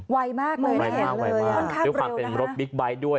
วัยมากเลยนะมันค่าวเร็วนะคะด้วยความเป็นรถบิ๊กใบท์ด้วย